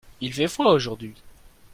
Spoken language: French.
il fait froid aujourd'hui.